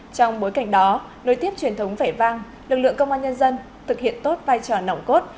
trong bối cảnh đó nối tiếp truyền thống vẻ vang lực lượng công an nhân dân thực hiện tốt vai trò nòng cốt